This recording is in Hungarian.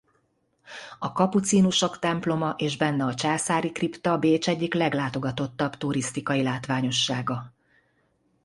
A kapucinusok temploma és benne a császári kripta Bécs egyik leglátogatottabb turisztikai látványossága.